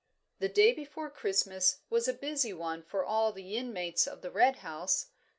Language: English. The day before Christmas was a busy one for all the inmates of the Red House.